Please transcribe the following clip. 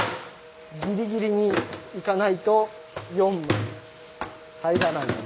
ギリギリにいかないと４枚入らないので。